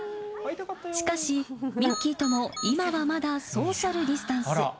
しかし、ミッキーとも今はまだソーシャルディスタンス。